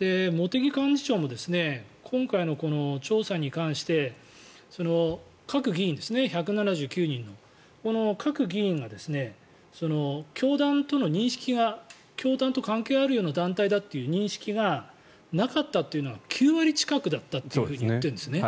茂木幹事長も今回の調査に関して各議員、１７９人の。各議員の教団との関係があるという認識がなかったというのは９割近くだったって言っているんですね。